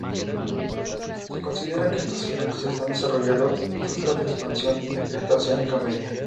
Se considera que estos segmentos están desarrollando centros de expansión de cresta oceánica media.